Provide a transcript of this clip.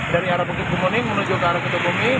dari arah bukit kemuning menuju ke arah bukit kemuning